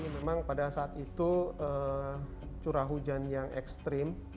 memang pada saat itu curah hujan yang ekstrim